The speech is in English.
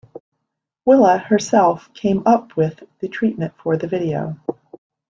Willa herself came up with the treatment for the video.